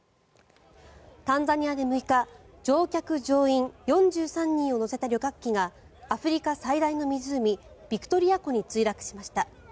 タンザニアで６日乗客・乗員４３人を乗せた旅客機がアフリカ最大の湖ビクトリア湖に墜落しました。